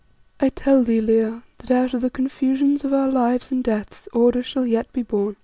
"I tell thee, Leo, that out of the confusions of our lives and deaths order shall yet be born.